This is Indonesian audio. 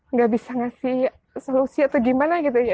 nggak bisa ngasih solusi atau gimana gitu ya